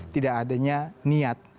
tidak adanya niat